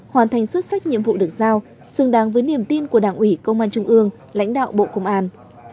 hoàn thành xuất sắc nhiệm vụ được giao xứng đáng với niềm tin của đảng ủy công an trung ương lãnh đạo bộ công an